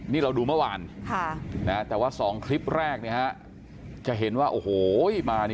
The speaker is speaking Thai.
นี่เราดูเมื่อวาน